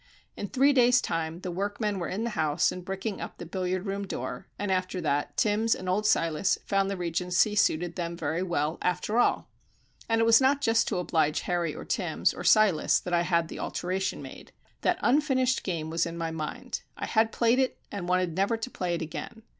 In three days' time the workmen were in the house and bricking up the billiard room door; and after that Timbs and old Silas found the Regency suited them very well after all. And it was not just to oblige Harry, or Timbs, or Silas that I had the alteration made. That unfinished game was in my mind; I had played it, and wanted never to play it again.